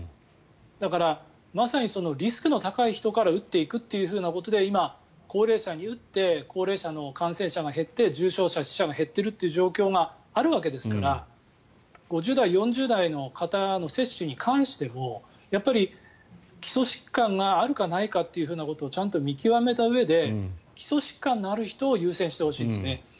だから、まさにリスクの高い人から打っていくということで今、高齢者に打って高齢者の感染者が減って重症者、死者が減っているという状況があるわけですから５０代、４０代の方の接種に関してもやっぱり基礎疾患があるかないかということをちゃんと見極めたうえで基礎疾患がある人を優先してほしいですね。